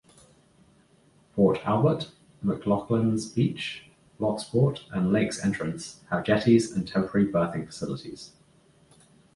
Port Albert, McLoughlins Beach, Lochsport and Lakes Entrance have jetties and temporary berthing facilities.